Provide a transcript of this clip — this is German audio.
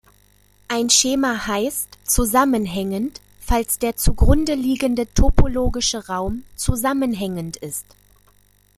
Ein Schema heißt "zusammenhängend", falls der zugrunde liegende topologische Raum zusammenhängend ist.